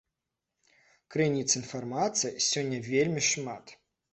Крыніц інфармацыі сёння вельмі шмат.